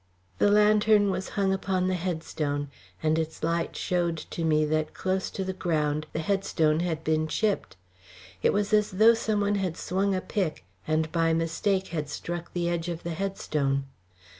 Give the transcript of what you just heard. The lantern was hung upon the headstone, and its light showed to me that close to the ground the headstone had been chipped. It was as though some one had swung a pick and by mistake had struck the edge of the headstone.